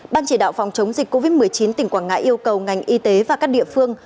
ban chỉ đạo phòng chống dịch covid một mươi chín tỉnh quảng ngãi yêu cầu ngành y tế và các địa phương